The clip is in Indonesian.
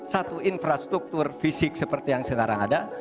satu infrastruktur fisik seperti yang sekarang ada